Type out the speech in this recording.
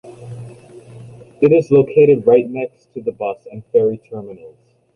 It is located right next to the bus and ferry terminals.